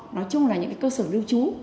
nói chung là những cơ sở lưu trú